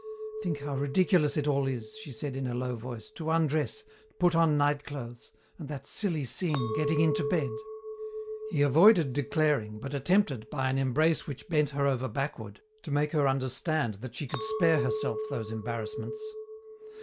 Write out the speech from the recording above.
"Think how ridiculous it all is," she said in a low voice, "to undress, put on night clothes and that silly scene, getting into bed!" He avoided declaring, but attempted, by an embrace which bent her over backward, to make her understand that she could spare herself those embarrassments.